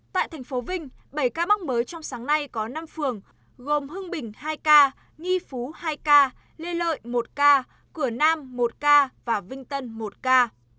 tại tp hcm bảy ca mắc mới trong sáng nay có năm phường gồm hưng bình hai ca nghị phú hai ca lê lợi một ca cửa nam một ca và vinh tân một ca